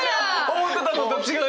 思ってたのと違う！